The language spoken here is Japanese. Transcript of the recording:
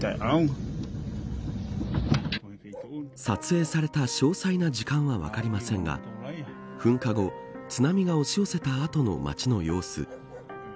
撮影された詳細な時間は分かりませんが噴火後、津波が押し寄せたあとの街の様子。